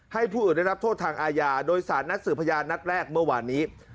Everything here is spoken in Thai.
ผู้อื่นได้รับโทษทางอาญาโดยสารนัดสื่อพยานนัดแรกเมื่อวานนี้